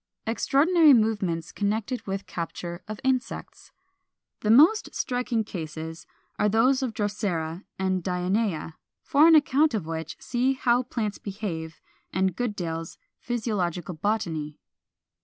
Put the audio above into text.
476. =Extraordinary Movements connected with Capture of Insects.= The most striking cases are those of Drosera and Dionæa; for an account of which see "How Plants Behave," and Goodale's "Physiological Botany."